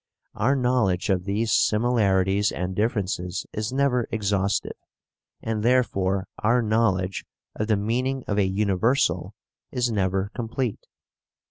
Our knowledge of these similarities and differences is never exhaustive, and therefore our knowledge of the meaning of a universal is never complete.